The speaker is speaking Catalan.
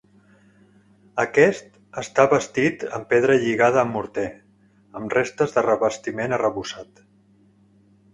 Aquest està bastit en pedra lligada amb morter, amb restes de revestiment arrebossat.